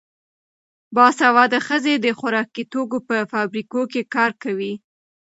باسواده ښځې د خوراکي توکو په فابریکو کې کار کوي.